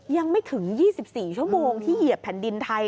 ยังไม่ถึง๒๔ชั่วโมงที่เหยียบแผ่นดินไทย